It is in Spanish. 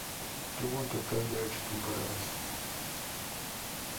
Tuvo un total de ocho temporadas.